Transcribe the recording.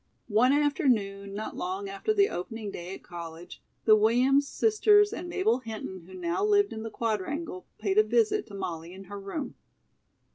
One afternoon, not long after the opening day at college, the Williams sisters and Mabel Hinton, who now lived in the Quadrangle, paid a visit to Molly in her room.